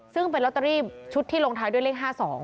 ซึ่งเป็นลอตเตอรี่ชุดที่ลงท้ายด้วยเลข๕๒